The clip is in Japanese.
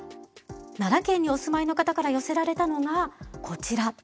奈良県にお住まいの方から寄せられたのがこちら。